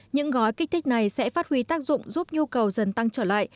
những gói kích thích này sẽ phát huy tác dụng giúp nhu cầu dần tăng trở lại